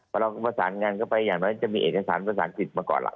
พอเราไปประสานงานก็ไปอย่างไรจะมีเอกสารประสานคนมาก่อนแล้ว